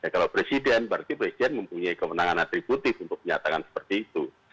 kalau presiden berarti presiden mempunyai kewenangan atributif untuk menyatakan seperti itu